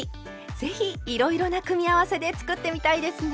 是非いろいろな組み合わせで作ってみたいですね！